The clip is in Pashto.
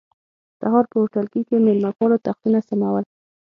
سهار په هوټلګي کې مېلمه پالو تختونه سمول.